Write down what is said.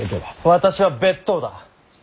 私は別当だ。